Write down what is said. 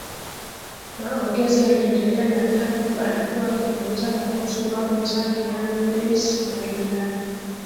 Maongezi yaliendelea na Jacob alikua akimuuliza kuhusu wakwe zake yaani daisy na Juliana